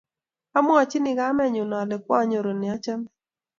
Amwochin kamennyu ale kwaanyoru ne achame.